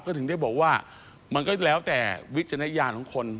ก็ถึงได้บอกว่ามันก็แล้วแต่วิจารณญาณของคน